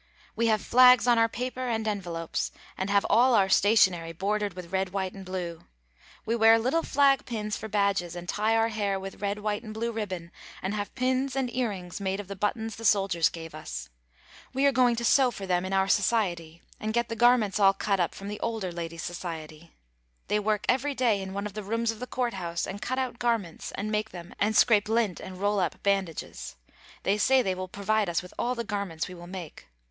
We have flags on our paper and envelopes, and have all our stationery bordered with red, white and blue. We wear little flag pins for badges and tie our hair with red, white and blue ribbon and have pins and earrings made of the buttons the soldiers gave us. We are going to sew for them in our society and get the garments all cut from the older ladies' society. They work every day in one of the rooms of the court house and cut out garments and make them and scrape lint and roll up bandages. They say they will provide us with all the garments we will make.